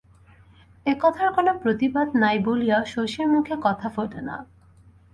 একথার কোনো প্রতিবাদ নাই বলিয়া শশীর মুখে কথা ফোটে না।